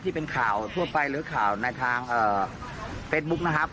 ที่เป็นข่าวทั่วไปหรือข่าวในทางเฟซบุ๊คนะครับ